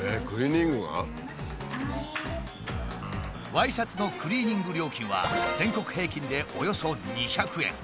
ワイシャツのクリーニング料金は全国平均でおよそ２００円。